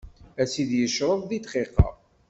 Ad tt-id-yecreḍ di dqiqa.